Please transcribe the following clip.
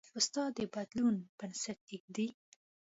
استاد د بدلون بنسټ ایږدي.